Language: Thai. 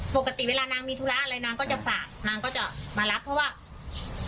ปกติเวลานางมีธุระอะไรนางก็จะฝากนางก็จะมารับเพราะว่า